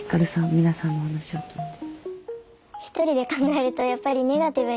皆さんのお話を聞いて。